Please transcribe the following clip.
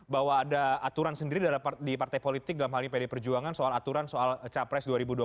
bahwa ada aturan sendiri di partai politik dalam hal ini pd perjuangan soal aturan soal capres dua ribu dua puluh empat